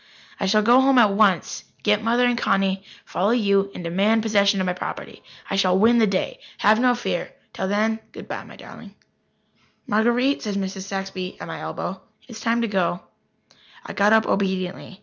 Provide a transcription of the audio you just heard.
"I shall go home at once, get Mother and Connie, follow you, and demand possession of my property. I shall win the day. Have no fear. Till then, good bye, my darling." "Marguerite," said Mrs. Saxby at my elbow, "it is time to go." I got up obediently.